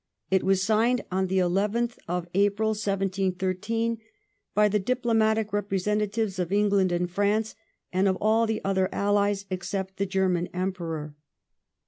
It was signed on the 11th of April, 1713, by the diplomatic representatives of England and France and of all the other allies except the German Emperor.